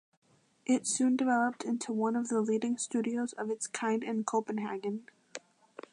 It soon developed into one of the leading studios of its kind in Copenhagen.